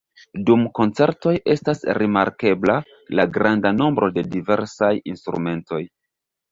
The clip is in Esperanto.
Dum koncertoj estas rimarkebla la granda nombro de diversaj instrumentoj.